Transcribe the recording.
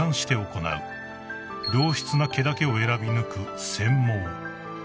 ［良質な毛だけを選び抜く］